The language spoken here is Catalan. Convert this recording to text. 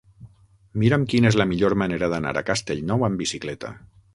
Mira'm quina és la millor manera d'anar a Castellnou amb bicicleta.